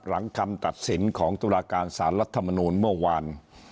หลังคำตัดสินของตุลาการสารรัฐมนูลเมื่อวาน